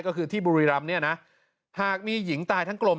ก็คือที่บุรีรำเนี่ยนะหากมีหญิงตายทั้งกลม